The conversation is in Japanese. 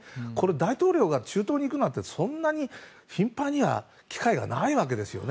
大統領が中東に行くなんてそんなに頻繁には機会がないわけですよね。